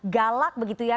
galak begitu ya